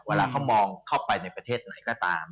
เวลาเขามองเข้าไปในประเทศไหนก็ตาม